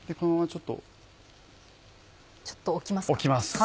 ちょっと置きますか？